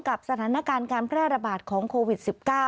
กับสถานการณ์การแพร่ระบาดของโควิด๑๙